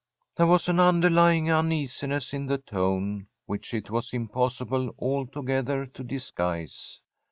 There was an underlying uneasiness in the tone, which it was impossible altogether to disguise.